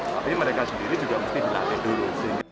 tapi mereka sendiri juga mesti dilatih dulu